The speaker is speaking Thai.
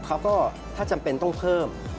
เขาก็ถ้าจำเป็นต้องเพิ่ม